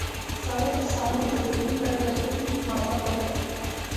سالوں تک ثانوی موجودگی پر مرکزی معاملہ بن گئے